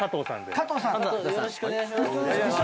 よろしくお願いします。